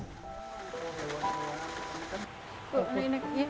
berkali tiga meter inilah